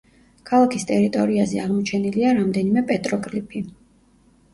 ქალაქის ტერიტორიაზე აღმოჩენილია რამდენიმე პეტროგლიფი.